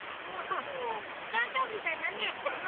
だいじょうぶみたいだね。